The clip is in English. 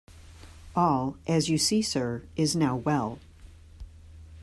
All, as you see, sir, is now well.